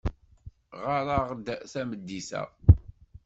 Ɣer-aɣ-d tameddit-a.